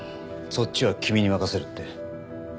そっちは君に任せるって。